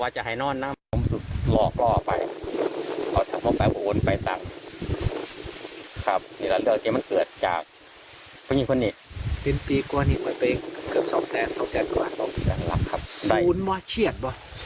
จะเก็บใจนะเค